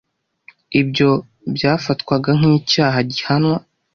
ibyo byafatwaga nkicyaha gihanwa